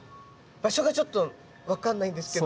場所がちょっと分かんないんですけど。